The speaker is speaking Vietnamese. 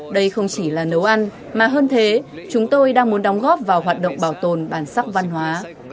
đây không chỉ là nấu ăn mà hơn thế chúng tôi đang muốn đóng góp vào hoạt động bảo tồn bản sắc văn hóa